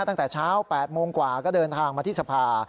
ตั้งแต่เช้า๘โมงกว่าก็เดินทางมาที่สภา